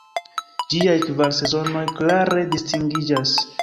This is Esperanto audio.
Ĝiaj kvar sezonoj klare distingiĝas.